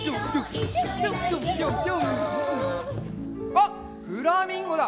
あっフラミンゴだ！